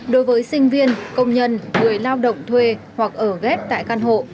đối với sinh viên công nhân người lao động thuê hoặc ở ghép tại căn hộ